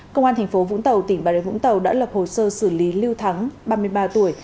công an tp vũng tàu tỉnh bà rến vũng tàu đã lập hồ sơ xử lý lưu thắng ba mươi ba tuổi